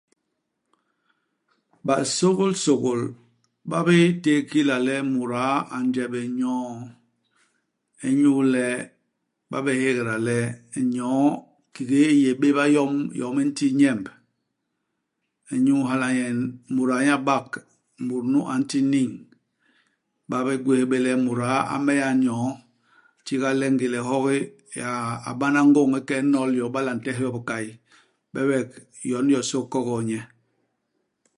BaSôgôlSôlgôl ba bitéé kila le muda a nje bé nyoo, inyu le ba bé hégda le nyoo, kiki i yé béba i yom, yom i nti nyemb. Inyu hala nyen, muda nye a bak mut nu a nti niñ. Ba bigwés bé le muda a meya nyoo. Itiga le ngélé ihogi, a a bana ngôñ i ke inol yo, iba le a ntehe yo i bikay ; bebek yon yo i sôk kokol nye.